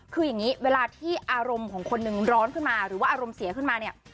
คืออย่างนี้เวลาที่อารมณ์ของคนหนึ่งร้อนขึ้นมาหรือว่าอารมณ์เสียขึ้นมาเนี่ย